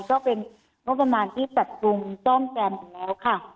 ก็เป็นงบประมาณที่ปรับปรุงซ่อมแซมอยู่แล้วค่ะ